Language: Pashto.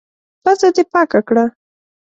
پزه دي پاکه کړه!